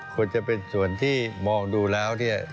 ควรจะเป็นส่วนที่มองดูแล้วเนี่ย